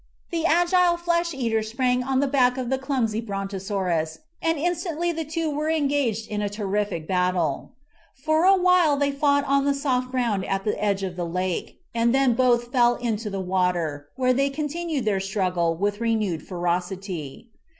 The agile flesh eater sprang on the back of the clumsy Brontosaurus and instantly the two were engaged in a terrific battle. For a while they fought on the soft ground at the edge of the lake, and then both fell into the water, where they continued their struggle with renewed ferocity.